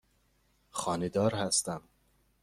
خانه دار هستم.